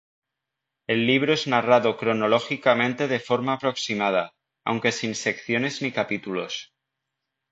El libro es narrado cronológicamente de forma aproximada, aunque sin secciones ni capítulos.